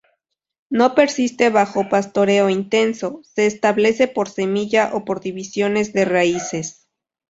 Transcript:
No persiste bajo pastoreo intenso, se establece por semilla o por divisiones de raíces.